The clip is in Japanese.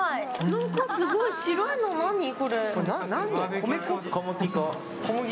何かすごい白いの何？